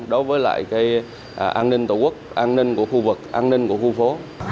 đối với an ninh tổ quốc an ninh của khu vực an ninh của khu phố